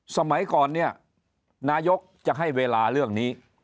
สมัยก่อนเนี่ยนายกจะให้เวลาเรื่องนี้